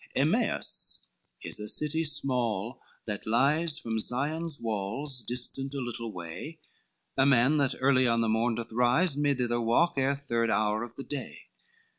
LVI Emmaus is a city small, that lies From Sion's walls distant a little way, A man that early on the morn doth rise, May thither walk ere third hour of the day.